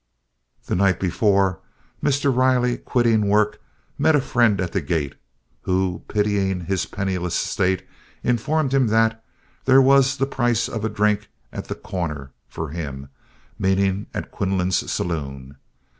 The night before, Mr. Riley, quitting work, met a friend at the gate, who, pitying his penniless state, informed him that "there was the price of a drink at the corner" for him, meaning at Quinlan's saloon.